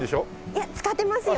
いや使ってますよ。